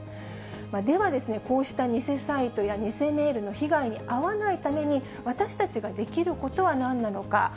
ではですね、こうした偽サイトや偽メールの被害に遭わないために、私たちができることはなんなのか。